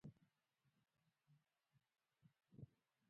د وطن په مینه کې سر ورکړئ.